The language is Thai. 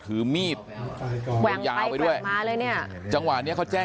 ถือมีดกลงยาวไปด้วยก็เวียงเว่งาหนึ่ง